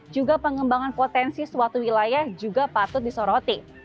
juga pengembangan potensi suatu wilayah juga patut disoroti